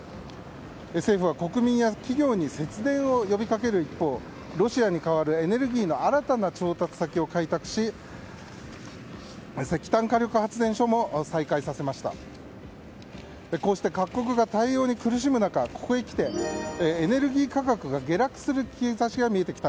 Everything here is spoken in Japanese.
政府は国民や企業に節電を呼びかける一方ロシアに代わる新たな調達先を開拓し石炭火力発電所も再開させました。